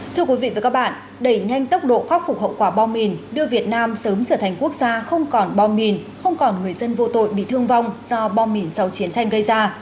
thưa quý vị và các bạn đẩy nhanh tốc độ khắc phục hậu quả bom mìn đưa việt nam sớm trở thành quốc gia không còn bom mìn không còn người dân vô tội bị thương vong do bom mìn sau chiến tranh gây ra